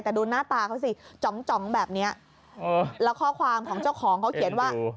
แต่ดูหน้าตาเขาสิจ๋องแบบนี้แล้วข้อความของเจ้าของเขาเขียนว่า